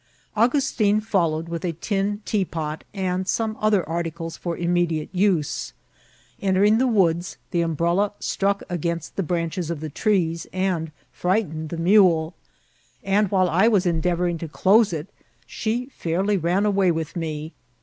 Augustin followed with a tin teapot, and some other articles for inmiediate use. Entering the woods, the umbrella struck against the branches of the trees, and frightened the mule ; and, while I was endeavouring to close it, she feuriy ran away with me.